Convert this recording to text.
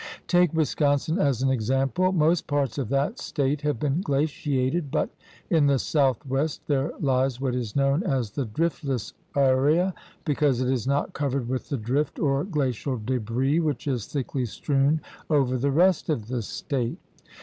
Take Wisconsin as an example.' Most parts of that State have been glaciated, but in the southwest there lies what is known as the "driftless area" because it is not covered with the "drift" or glacial debris which is thickly strewn over the rest of the State.